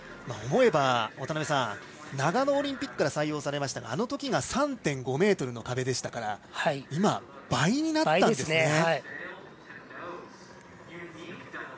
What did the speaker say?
思えば、渡辺さん長野オリンピックから採用されましたがあのときが３．５ｍの壁でしたから今、倍になったんですね。